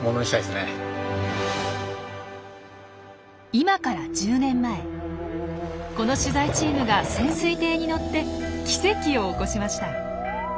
今から１０年前この取材チームが潜水艇に乗って奇跡を起こしました。